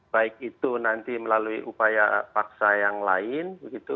baik itu nanti melalui upaya paksa yang lain